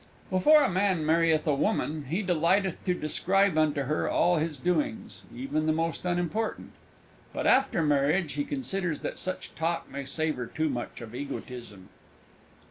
Before a Man marrieth a Woman he delighteth to describe unto her all his doings even the most unimportant. But, after marriage, he considereth that such talk may savour too much of egotism.